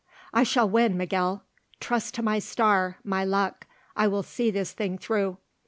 "I shall win, Miguel. Trust to my star, my luck, I will see this thing through.